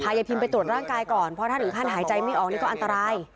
ยายพิมไปตรวจร่างกายก่อนเพราะถ้าถึงขั้นหายใจไม่ออกนี่ก็อันตราย